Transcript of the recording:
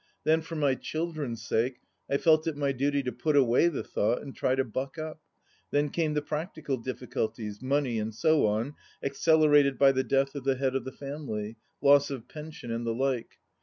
Then for my children's sake I felt it my duty to put away the thought and try to buck up. Then came the practical difficulties, money and so on, accelerated by the death of the head of the family — ^loss of pension and the like.